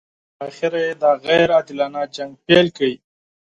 بالاخره یې دا غیر عادلانه جنګ پیل کړ.